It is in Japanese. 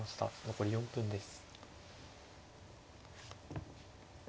残り４分です。